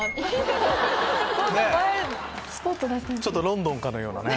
ちょっとロンドンかのようなね。